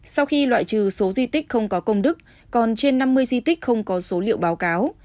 sau khi loại trừ số di tích không có công đức còn trên năm mươi di tích không có số liệu báo cáo